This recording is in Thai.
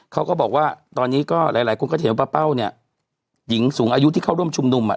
เขาก็บอกว่าตอนนี้ก็หลายหลายคนก็จะเห็นว่าป้าเป้าเนี่ยหญิงสูงอายุที่เข้าร่วมชุมนุมอ่ะ